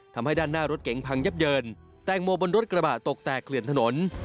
ทำให้ด้านหน้ารถเก๋งพังยับเยินแตงโมบนรถกระบะตกแตกเกลื่อนถนน